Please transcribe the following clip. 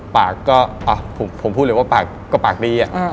ปากก็ผมพูดเลยว่าปากก็ปากดี